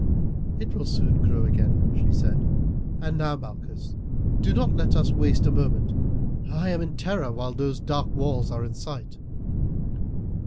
"It will soon grow again," she said; "and now, Malchus, do not let us waste a moment. I am in terror while those dark walls are in sight."